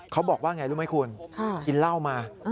เขาบอกว่าไงรู้ไหมคุณกินเหล้ามา